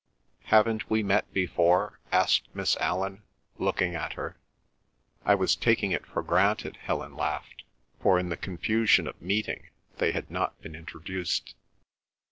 "Haven't we met before?" asked Miss Allan, looking at her. "I was taking it for granted," Helen laughed, for in the confusion of meeting they had not been introduced.